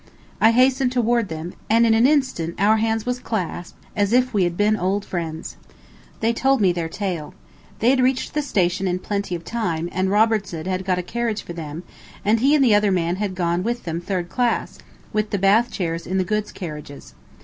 I hastened toward them, and in an instant our hands was clasped as if we had been old friends. They told me their tale. They had reached the station in plenty of time, and Robertson had got a carriage for them, and he and the other man had gone with them third class, with the bath chairs in the goods carriages.